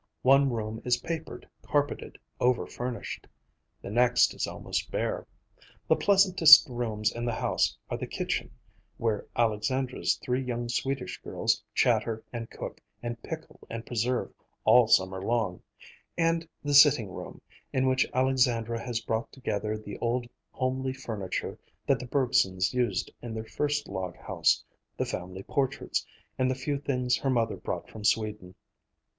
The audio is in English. One room is papered, carpeted, over furnished; the next is almost bare. The pleasantest rooms in the house are the kitchen—where Alexandra's three young Swedish girls chatter and cook and pickle and preserve all summer long—and the sitting room, in which Alexandra has brought together the old homely furniture that the Bergsons used in their first log house, the family portraits, and the few things her mother brought from Sweden.